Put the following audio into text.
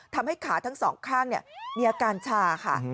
ทำให้ขาทั้งสองข้างมีอาการชาค่ะ